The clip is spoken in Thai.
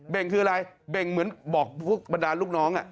่งคืออะไรเบ่งเหมือนบอกพวกบรรดาลูกน้อง